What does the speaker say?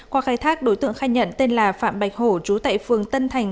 qua khai thác đối tượng khai nhận tên là phạm bạch hổ chú tại phường tân thành